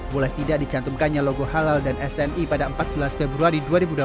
boleh tidak dicantumkannya logo halal dan smi pada empat belas februari dua ribu dua puluh tiga